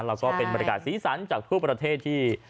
เราก็เป็นบริการศีรษรันจากทุกประเทศที่